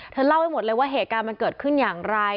เล่าให้หมดเลยว่าเหตุการณ์มันเกิดขึ้นอย่างไร